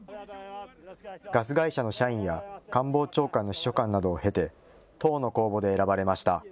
ガス会社の社員や官房長官の秘書官などを経て、党の公募で選ばれました。